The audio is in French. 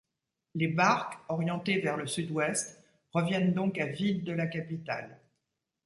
Les barques, orientées vers le sud-ouest, reviennent donc à vide de la capitale.